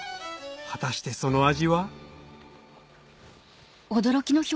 果たしてその味は？